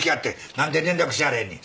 何で連絡しはれへんねん。